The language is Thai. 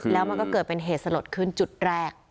แล้วมันก็เกิดเป็นเหตุสลดขึ้นจุดแรก